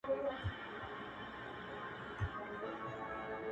له هر یوه سره د غلو ډلي غدۍ وې دلته-